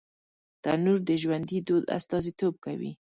تنور د ژوندي دود استازیتوب کوي